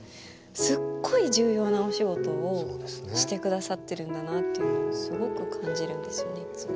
すっごい重要なお仕事をしてくださってるんだなっていうのをすごく感じるんですよねいっつも。